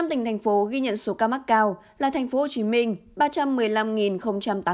năm tỉnh thành phố ghi nhận số ca mắc cao là thành phố hồ chí minh ba trăm một mươi năm tám mươi tám